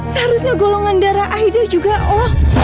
seharusnya golongan darah aida juga o